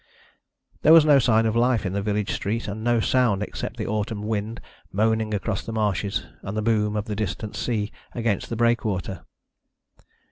There was no sign of life in the village street, and no sound except the autumn wind moaning across the marshes and the boom of the distant sea against the breakwater.